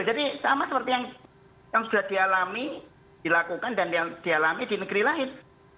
jadi sama seperti yang sudah dialami dilakukan dan yang dialami di negeri lain